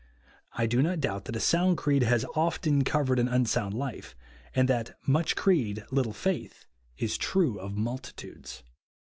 I do not doubt that a sound creed has often covered an un sound life, and tliat " much creed, little faith," is true of multitudes.